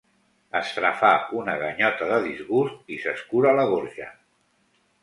Estrafà una ganyota de disgust i s'escura la gorja.